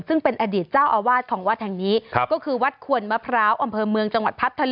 ซึ่งเป็นอดิษฐ์เศร้าอาวาสของวัดแห่งนี้ก็คือวัดขวนมะเพอร์พร้าวอำเผินเมืองจังหวัดพัดทะลุง